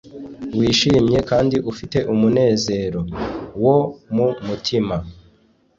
wishimye kandi ufite umunezero+ wo mu mutima